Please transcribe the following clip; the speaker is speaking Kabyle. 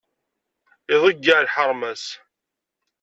Iḍeyyeε lḥerma-s.